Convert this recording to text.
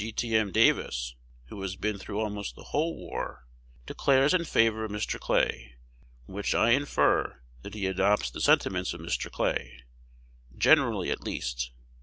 G. T. M. Davis, who has been through almost the whole war, declares in favor of Mr. Clay; from which I infer that he adopts the sentiments of Mr. Clay, generally at least.